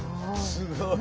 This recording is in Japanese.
すごい！